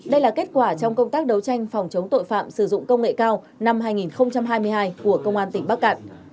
đây là kết quả trong công tác đấu tranh phòng chống tội phạm sử dụng công nghệ cao năm hai nghìn hai mươi hai của công an tỉnh bắc cạn